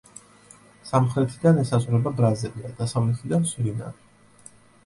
სამხრეთიდან ესაზღვრება ბრაზილია, დასავლეთიდან სურინამი.